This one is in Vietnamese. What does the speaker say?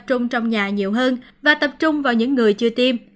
trung trong nhà nhiều hơn và tập trung vào những người chưa tiêm